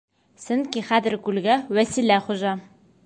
Сөнки хәҙер күлгә Вәсилә хужа.